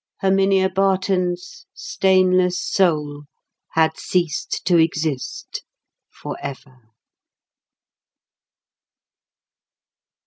Herminia Barton's stainless soul had ceased to exist for ever.